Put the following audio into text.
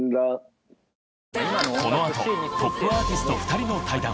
このあとトップアーティスト２人の対談。